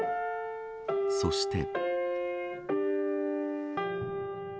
そして。